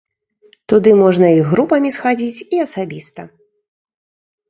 Туды можна і групамі схадзіць, і асабіста.